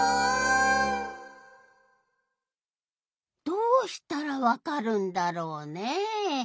どうしたらわかるんだろうねえ